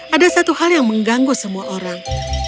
ada satu hal yang mengganggu semua orang